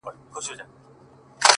ځم د روح په هر رگ کي خندا کومه!!